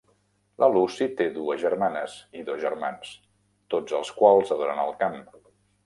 La Lucy té dues germanes i dos germans, tots els quals adoren el camp.